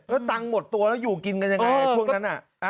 แล้วตังค์หมดตัวแล้วอยู่กินกันยังไงช่วงนั้นน่ะ